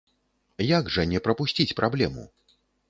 Як жа не прапусціць праблему?